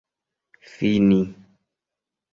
fini